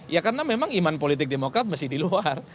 ya karena memang iman politik demokrat masih di luar